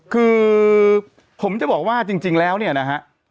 คือผมจะบอกว่าจริงแล้วเนี่ยนะฮะ